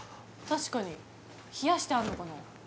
確かに冷やしてあんのかな？